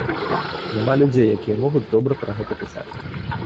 Няма людзей, якія могуць добра пра гэта пісаць.